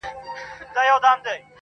• نه یې ژبه له غیبته ستړې کیږي -